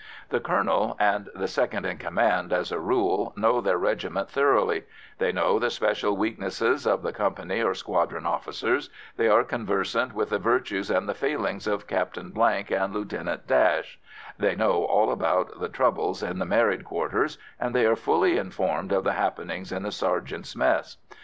The colonel and the second in command, as a rule, know their regiment thoroughly; they know the special weaknesses of the company or squadron officers; they are conversant with the virtues and the failings of Captain Blank and Lieutenant Dash; they know all about the troubles in the married quarters, and they are fully informed of the happenings in the sergeants' mess.